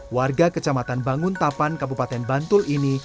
warga kecamatan banguntapan kabupaten bantul ini